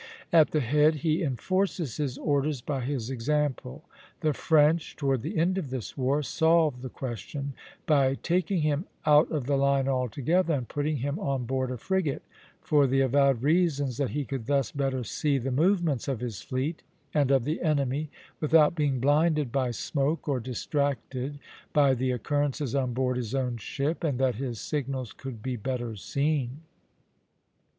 At the head he enforces his orders by his example. The French toward the end of this war solved the question by taking him out of the line altogether and putting him on board a frigate, for the avowed reasons that he could thus better see the movements of his fleet and of the enemy without being blinded by smoke or distracted by the occurrences on board his own ship, and that his signals could be better seen.